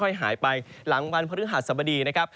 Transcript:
ก็คือบริเวณอำเภอเมืองอุดรธานีนะครับ